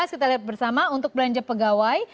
kita lihat bersama untuk belanja pegawai